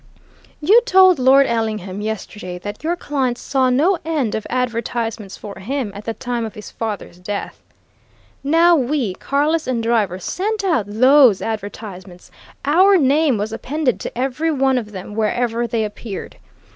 "You told Lord Ellingham yesterday that your client saw no end of advertisements for him at the time of his father's death. Now, we, Carless and Driver, sent out those advertisements our name was appended to every one of them, wherever they appeared.